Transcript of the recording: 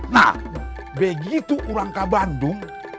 nah begitu uram ke bandung